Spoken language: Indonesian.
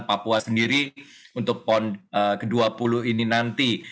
papua sendiri untuk pon ke dua puluh ini nanti